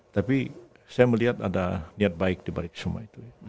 tapi saya melihat ada niat baik dibalik semua itu ya